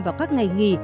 vào các ngày nghỉ